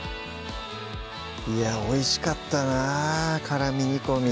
いやおいしかったな「辛み煮込み」